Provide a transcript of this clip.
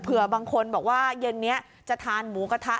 บางคนบอกว่าเย็นนี้จะทานหมูกระทะ